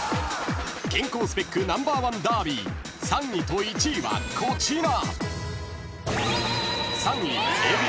［健康スペックＮｏ．１ダービー３位と１位はこちら！］